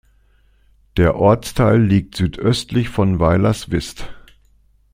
Der Ortsteil liegt südöstlich von Weilerswist.